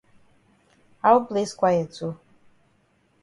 How place quiet so?